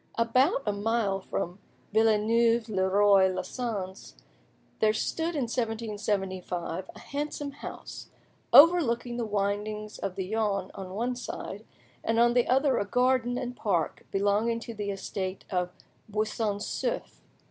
About a mile from Villeneuve le Roi les Sens, there stood in 1775 a handsome house, overlooking the windings of the Yonne on one side, and on the other a garden and park belonging to the estate of Buisson Souef.